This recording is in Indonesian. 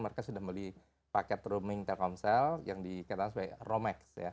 mereka sudah membeli paket roaming telekomsel yang dikatakan sebagai romex